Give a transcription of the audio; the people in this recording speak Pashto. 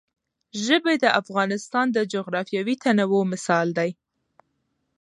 ژبې د افغانستان د جغرافیوي تنوع مثال دی.